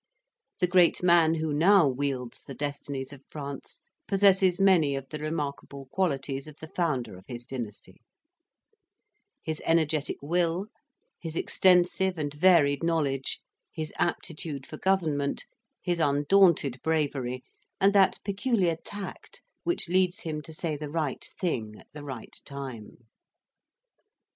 The great man who now wields the destinies of France possesses many of the remarkable qualities of the founder of his dynasty: his energetic will, his extensive and varied knowledge, his aptitude for government, his undaunted bravery, and that peculiar tact which leads him to say the right thing at the right time.